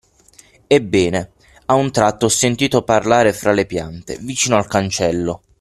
Ebbene, a un tratto ho sentito parlare fra le piante, vicino al cancello.